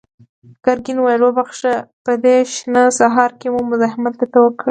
ګرګين وويل: وبخښه، په دې شنه سهار کې مو مزاحمت درته وکړ.